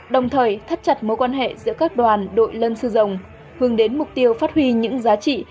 đồng thời thắt chặt mối quan hệ giữa các đoàn đội lân sư dòng hướng đến mục tiêu phát huy những giá trị